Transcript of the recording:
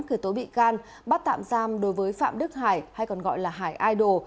khởi tố bị can bắt tạm giam đối với phạm đức hải hay còn gọi là hải idol